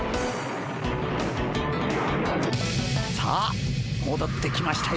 さあもどってきましたよ。